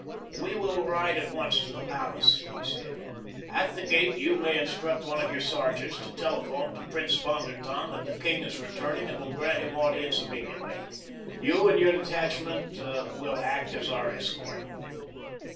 "We will ride at once to the palace," he said. "At the gate you may instruct one of your sergeants to telephone to Prince von der Tann that the king is returning and will grant him audience immediately. You and your detachment will act as our escort."